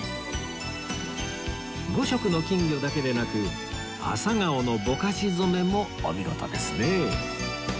５色の金魚だけでなくアサガオのぼかし染めもお見事ですね